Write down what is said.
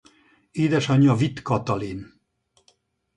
Édesanyja Vitt Katalin.